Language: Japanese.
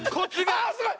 あすごい！